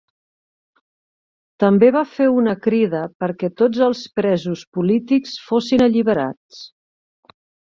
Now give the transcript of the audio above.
També va fer una crida perquè tots els presos polítics fossin alliberats.